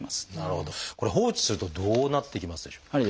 これ放置するとどうなっていきますでしょう？